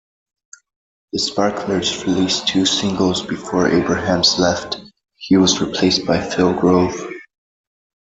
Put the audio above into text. The Sparklers released two singles before Abrahams left, he was replaced by Phil Grove.